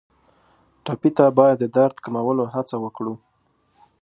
ټپي ته باید د درد کمولو هڅه وکړو.